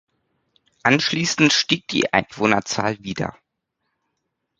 Anschließend stieg die Einwohnerzahl wieder.